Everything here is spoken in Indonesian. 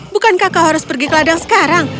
bukankah kau harus pergi ke ladang sekarang